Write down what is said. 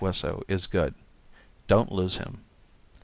Wesso is good. Don't lose him.